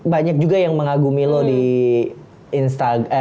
banyak juga yang mengagumi lo di instagram